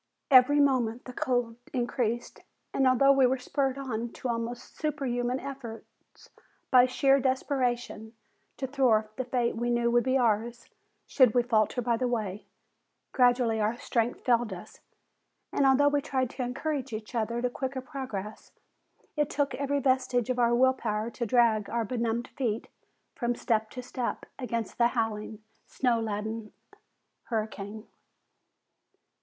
Every moment the cold increased, and although we were spurred on to almost superhuman efforts by sheer desperation to thwart the fate we knew would be ours should we falter by the way, gradually our strength failed us, and although we tried to encourage each other to quicker progress, it took every vestige of our will power to drag our benumbed feet from step to step against the howling, snow laden hurricane.